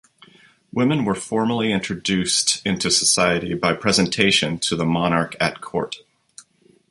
Women were formally introduced into society by presentation to the monarch at Court.